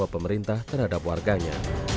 pemerintah terhadap warganya